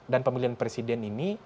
dan pemilihan presiden ini